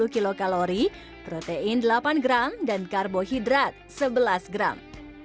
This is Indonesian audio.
satu ratus lima puluh kilokalori protein delapan gram dan karbohidrat sebelas gram